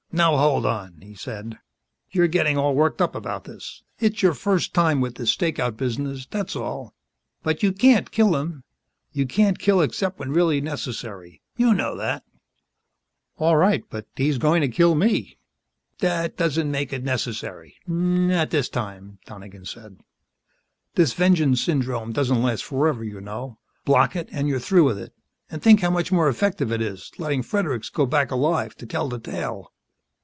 "Now, hold on," he said. "You're getting all worked up about this. It's your first time with this stakeout business, that's all. But you can't kill him. You can't kill except when really necessary. You know that." "All right. But if he's going to kill me " "That doesn't make it necessary, not this time," Donegan said. "This vengeance syndrome doesn't last forever, you know. Block it, and you're through with it. And think how much more effective it is, letting Fredericks go back alive to tell the tale."